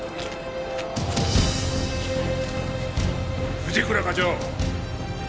藤倉課長。